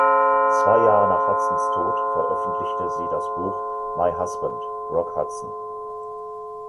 Zwei Jahre nach Hudsons Tod veröffentlichte sie das Buch "My Husband, Rock Hudson".